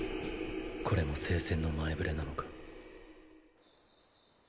これも聖戦の前触れなのか。